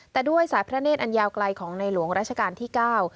แต่ด้วยสายพระเนธอันยาวไกลของในหลวงราชการที่เก้า